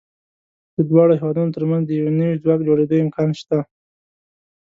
د دواړو هېوادونو تر منځ د یو نوي ځواک جوړېدو امکان شته.